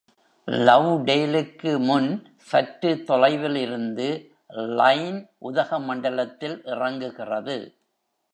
லவ்டேலுக்கு முன் சற்று தொலைவில் இருந்து, லைன் உதகமண்டலத்தில் இறங்குகிறது.